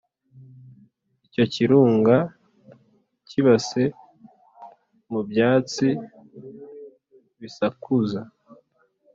icyo kirunga kibase mu byatsi bisakuza;